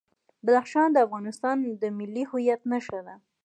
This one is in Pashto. بدخشان د افغانستان د ملي هویت نښه ده.